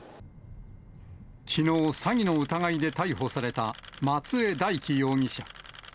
きのう、詐欺の疑いで逮捕された松江大樹容疑者。